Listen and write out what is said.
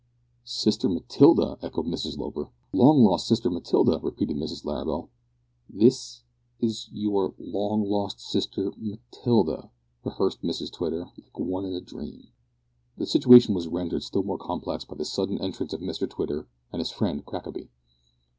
"Sister Matilda!" echoed Mrs Loper. "Long lost sister Matilda!" repeated Mrs Larrabel. "This is your long lost sister Matilda," rehearsed Mrs Twitter, like one in a dream. The situation was rendered still more complex by the sudden entrance of Mr Twitter and his friend Crackaby.